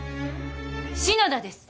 篠田です。